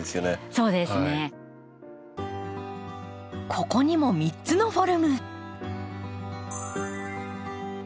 ここにも３つのフォルム。